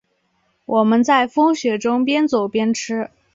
我们在风雪中边走边吃